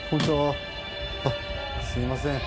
すいません。